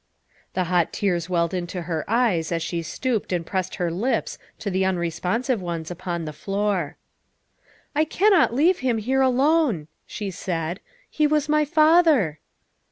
The hot tears welled into her eyes as she stooped and pressed her lips to the unresponsive ones upon the floor. " I cannot leave him here alone," she said, " he was my father."